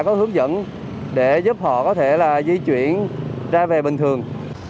có hướng dẫn để giúp họ có thể là di chuyển ra về bình thường